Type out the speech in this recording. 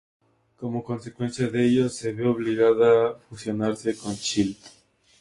Como consecuencia de ello se ve obligada a fusionarse con Child.